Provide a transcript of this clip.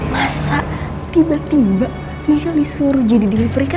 masa tiba tiba misal disuruh jadi deliver